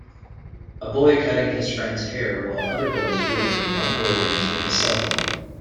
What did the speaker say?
A boy cutting his friends hair while other boys look and one boy using his cellphone.